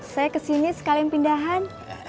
saya kesini sekalian pindahan